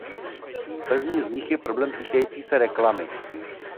Prvním z nich je problém týkající se reklamy.